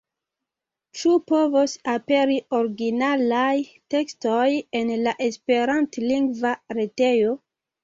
Ĉu povos aperi originalaj tekstoj en la esperantlingva retejo?